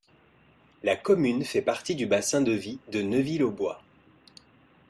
La commune fait partie du bassin de vie de Neuville-aux-Bois.